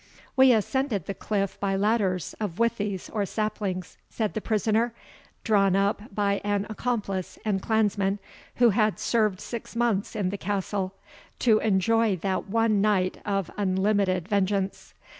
"We ascended the cliff by ladders of withies or saplings," said the prisoner, "drawn up by an accomplice and clansman, who had served six months in the castle to enjoy that one night of unlimited vengeance.